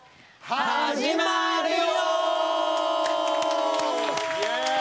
始まるよ！！！